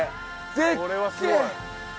これはすごい。